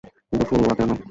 কিন্তু, ফুলওয়া কেন?